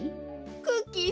クッキー